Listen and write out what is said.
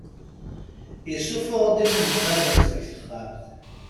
Isuffeɣ-d inelmaden seg texxamt.